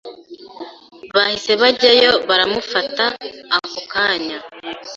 bahise bajyayo baramufata ako kanya